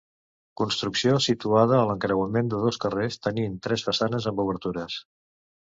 Construcció situada a l'encreuament de dos carrers, tenint tres façanes amb obertures.